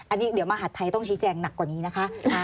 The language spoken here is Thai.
อันนี้เดี๋ยวมหาดไทยต้องชี้แจงหนักกว่านี้นะคะ